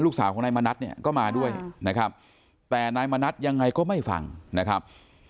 สาวของนายมณัฐเนี่ยก็มาด้วยนะครับแต่นายมณัฐยังไงก็ไม่ฟังนะครับ